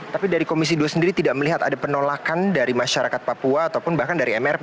tapi dari komisi dua sendiri tidak melihat ada penolakan dari masyarakat papua ataupun bahkan dari mrp